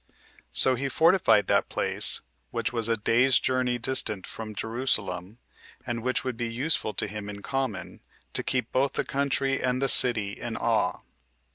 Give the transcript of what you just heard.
So he fortified that place, which was a day's journey distant from Jerusalem, and which would be useful to him in common, to keep both the country and the city in awe.